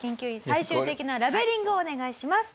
最終的なラベリングをお願いします。